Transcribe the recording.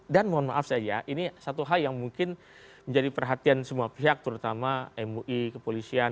dan mohon maaf saya ini satu hal yang mungkin menjadi perhatian semua pihak terutama mui kepolisian